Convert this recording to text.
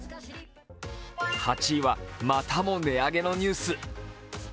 ８位は、またも値上げのニュース。